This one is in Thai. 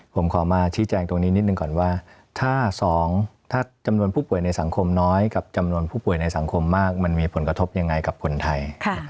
ผมขอมาชี้แจงตรงนี้นิดหนึ่งก่อนว่าถ้า๒ถ้าจำนวนผู้ป่วยในสังคมน้อยกับจำนวนผู้ป่วยในสังคมมากมันมีผลกระทบยังไงกับคนไทย